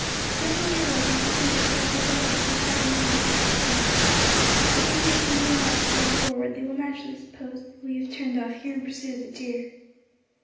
"Jump off your horse, and cut some bits off your blankets and tie them round your horse's feet. If the Indians see no marks going forward, they will naturally suppose we have turned off here in pursuit of the deer."